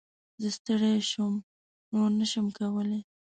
زه ستړی شوم ، نور نه شم کولی !